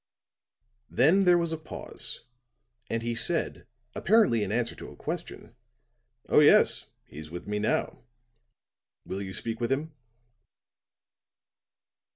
Then there was a pause, and he said, apparently in answer to a question: "Oh, yes, he's with me now. Will you speak with him?"